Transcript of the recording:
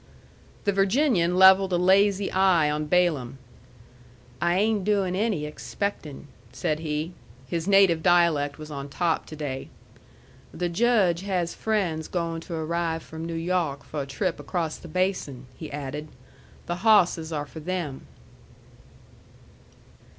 The Virginian levelled a lazy eye on Balaam. "I ain' doin' any expecting," said he. His native dialect was on top to day. "The Judge has friends goin' to arrive from New Yawk for a trip across the Basin," he added. "The hawsses are for them."